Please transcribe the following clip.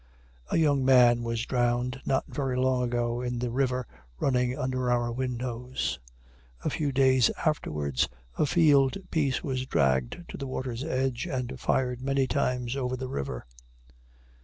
A young man was drowned not very long ago in the river running under our windows. A few days afterwards a field piece was dragged to the water's edge, and fired many times over the river.